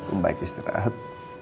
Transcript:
om baik istirahat